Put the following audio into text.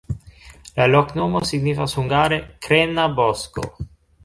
La loknomo signifas hungare: krena-bosko.